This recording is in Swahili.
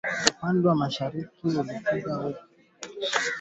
Kulisha mifugo katika maeneo yaliyo na kupe walioambukizwa